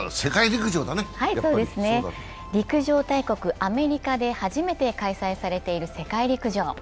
陸上大国アメリカで初めて開催されている世界陸上。